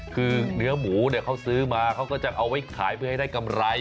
คือเนื้อหมูเขาซื้อมาเขาก็จะเอาไว้ขายไปให้ได้กำไร